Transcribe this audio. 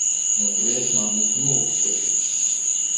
No briesmām es mūku taču.